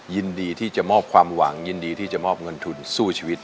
ยินดีที่จะมอบความหวังยินดีที่จะมอบเงินทุนสู้ชีวิต